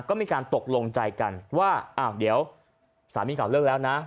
ก็มีการตกลงใจกันว่าอ้าวเดี๋ยวสามีเก่าเลิกแล้วนะ